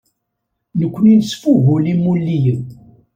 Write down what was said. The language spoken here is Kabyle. Nekkni nesfugul imulliyen.